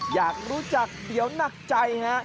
อยากรู้จักเดี๋ยวหนักใจฮะ